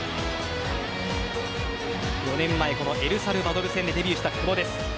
４年前このエルサルバドル戦でデビューした久保です。